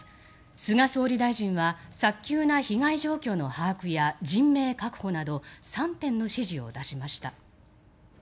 菅総理大臣は早急な被害状況の把握や人命確保など３点の指示を出しました。